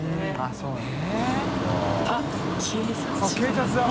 そうね。